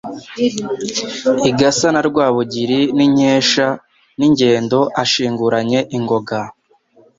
Igasa na Rwabugiri n' inkeshaN' ingendo ashinguranye ingoga